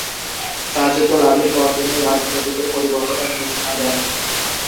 রাজত্ব লাভের পর তিনি রাজ প্রতীকের পরিবর্তনের ঘোষণা দেন।